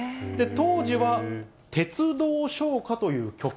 当時は鉄道唱歌という曲。